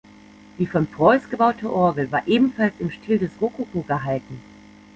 Die von Preuß gebaute Orgel war ebenfalls im Stil des Rokoko gehalten.